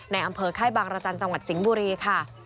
อำเภอค่ายบางรจันทร์จังหวัดสิงห์บุรีค่ะ